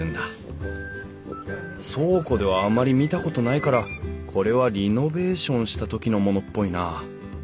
倉庫ではあまり見たことないからこれはリノベーションした時のものっぽいな。